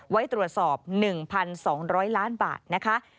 ไว้ตรวจสอบ๑๒๐๐ล้านบาทนะคะ